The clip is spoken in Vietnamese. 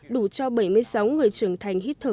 đủ cho bảy mươi sáu người trưởng thành hít thở